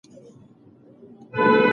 باور د خبرو له لارې جوړېږي.